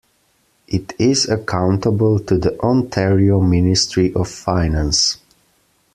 It is accountable to the Ontario Ministry of Finance.